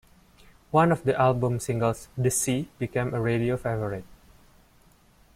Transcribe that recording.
One of the album's singles, "The Sea", became a radio favourite.